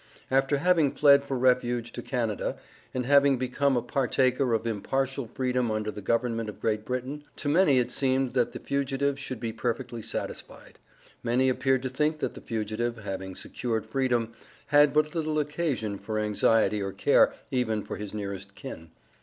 After having fled for refuge to Canada and having become a partaker of impartial freedom under the government of Great Britain, to many it seemed that the fugitive should be perfectly satisfied. Many appeared to think that the fugitive, having secured freedom, had but little occasion for anxiety or care, even for his nearest kin.